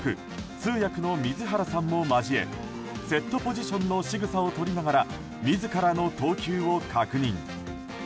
通訳の水原さんも交えセットポジションのしぐさをとりながら、自らの投球を確認。